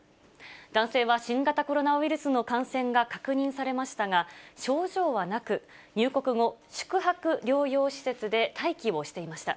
男性は新型コロナウイルスの感染が確認されましたが、症状はなく、入国後、宿泊療養施設で待機をしていました。